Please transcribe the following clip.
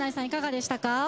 いかがでしたか？